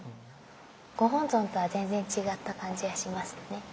ご本尊とは全然違った感じがしますよね。